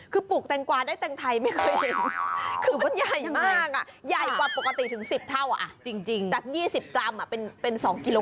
คือปลูกแตงกวาได้แตงไทยไม่เคยเห็น